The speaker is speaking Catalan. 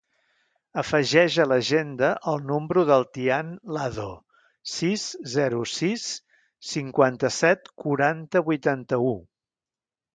Afegeix a l'agenda el número del Tian Lado: sis, zero, sis, cinquanta-set, quaranta, vuitanta-u.